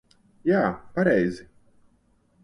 Jā, pareizi.